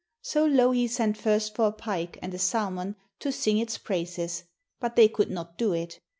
So Louhi sent first for a pike and a salmon to sing its praises, but they could not do it.